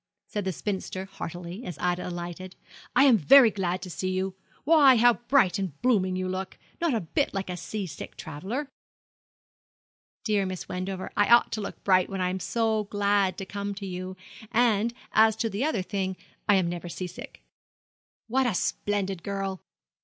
said the spinster heartily, as Ida alighted; 'I am very glad to see you. Why, how bright and blooming you look not a bit like a sea sick traveller.' 'Dear Miss Wendover, I ought to look bright when I am so glad to come to you; and, as to the other thing, I am never sea sick.' 'What a splendid girl!